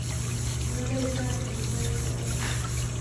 No le gustan las películas de terror.